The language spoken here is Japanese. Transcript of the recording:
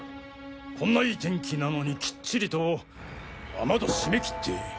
こんないい天気なのにキッチリと雨戸しめきって。